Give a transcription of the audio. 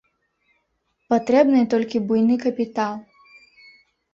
Патрэбны толькі буйны капітал.